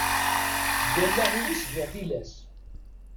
Deg allaɣ-iw i s-giɣ tilas.